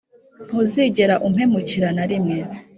ntuzigera umpemukira narimwe